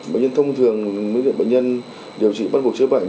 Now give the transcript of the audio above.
bệnh nhân thông thường bệnh nhân điều trị bắt buộc chữa bệnh